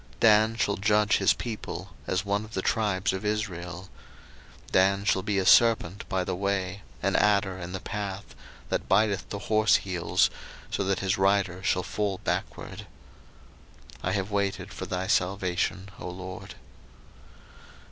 01:049:016 Dan shall judge his people, as one of the tribes of Israel. 01:049:017 Dan shall be a serpent by the way, an adder in the path, that biteth the horse heels, so that his rider shall fall backward. 01:049:018 I have waited for thy salvation, O LORD.